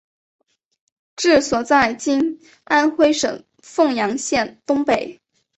治所在今安徽省凤阳县东北。